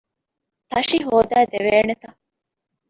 ތަށި ހޯދައިދެވޭނެތަ؟